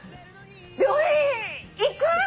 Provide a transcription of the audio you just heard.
「病院行く？」